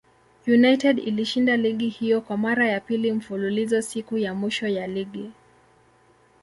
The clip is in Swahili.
United ilishinda ligi hiyo kwa mara ya pili mfululizo siku ya mwisho ya ligi.